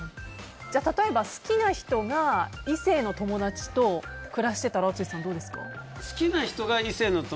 例えば好きな人が異性の友達と暮らしてたら淳さん、どうですか？